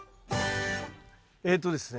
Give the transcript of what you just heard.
えっとですね